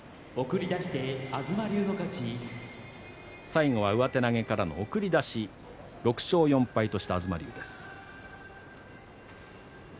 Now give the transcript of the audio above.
最後は上手投げからの送り出し、６勝４敗としました東龍です。